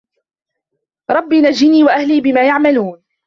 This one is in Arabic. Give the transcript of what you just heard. رَبِّ نَجِّني وَأَهلي مِمّا يَعمَلونَ